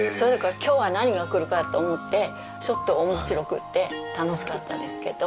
今日は何がくるかと思ってちょっと面白くて楽しかったですけど